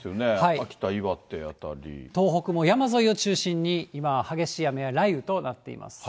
秋田、東北も山沿いを中心に、今、激しい雨や雷雨となっています。